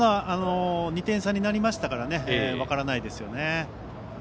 ２点差になりましたから分からないですよね。